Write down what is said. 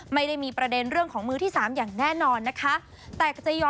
ไม่ได้มีประเด็นเรื่องของมือที่๓อย่างแน่นอนนะคะ